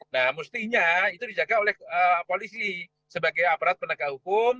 nah mestinya itu dijaga oleh polisi sebagai aparat penegak hukum